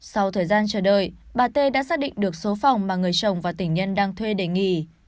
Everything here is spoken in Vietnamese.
sau thời gian chờ đợi bà tê đã xác định được số phòng mà người chồng và tỉnh nhân đang thuê để nghỉ